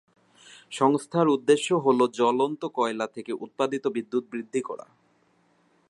সংস্থার উদ্দেশ্য হল জ্বলন্ত কয়লা থেকে উৎপাদিত বিদ্যুৎ বৃদ্ধি করা।